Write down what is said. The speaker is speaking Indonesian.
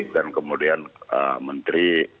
dan kemudian menteri